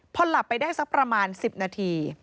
พอหลับไปได้สักประมาณ๑๐นาที